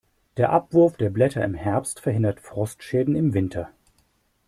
Der Abwurf der Blätter im Herbst verhindert Frostschäden im Winter.